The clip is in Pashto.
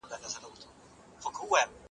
استاد باید د نوې ټیکنالوژۍ سره اشنا وي.